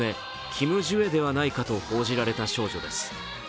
キム・ジュエではないかと報じられた少女です。